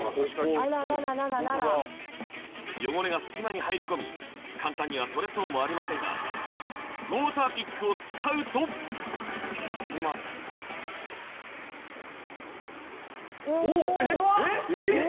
あららら汚れが隙間に入り込み簡単には取れそうもありませんがウォーターピックを使うといきますえっえっ！